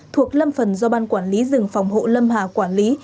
thuộc lâm phần do ban quản lý rừng phòng hộ lâm hà quản lý